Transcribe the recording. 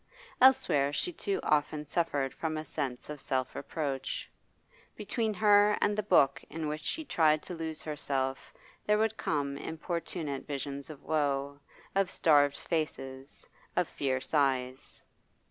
Elsewhere she too often suffered from a sense of self reproach; between her and the book in which she tried to lose herself there would come importunate visions of woe, of starved faces, of fierce eyes.